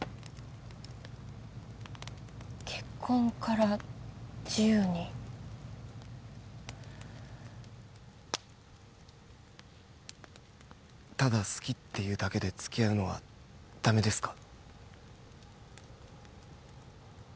結婚から自由にただ好きっていうだけでつきあうのはダメですか？